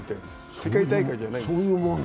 世界大会じゃないんです。